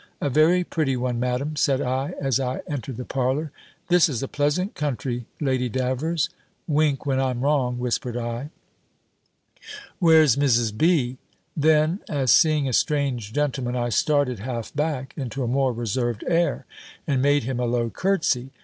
"A very pretty one, Madam," said I, as I entered the parlour. "This is a pleasant country, Lady Davers." ("Wink when I'm wrong," whispered I), "Where's Mrs. B.?" Then, as seeing a strange gentleman, I started half back, into a more reserved air; and made him a low curt'sy.